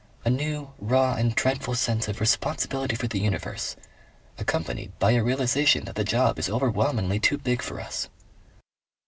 "A new, raw and dreadful sense of responsibility for the universe. Accompanied by a realization that the job is overwhelmingly too big for us."